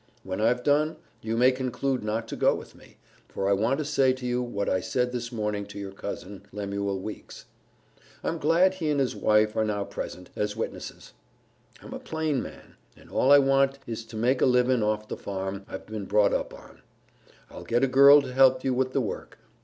When I've done, you may conclude not to go with me, for I want to say to you what I said this morning to your cousin, Lemuel Weeks. I'm glad he and his wife are now present, as witnesses. I'm a plain man, and all I want is to make a livin' off the farm I've been brought up on. I'll get a girl to help you with the work.